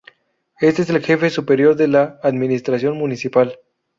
Este es el jefe superior de la Administración Municipal.